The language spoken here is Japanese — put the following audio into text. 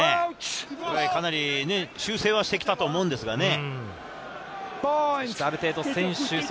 かなり修正はしてきたと思うんですけどね。